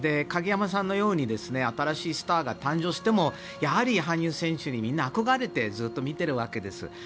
鍵山さんのように新しいスターが誕生してもやはり、羽生選手にみんな憧れてずっと見ているわけです。